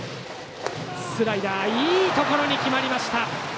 スライダーいいところに決まった。